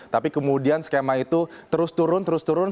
tapi kemudian skema itu terus turun terus turun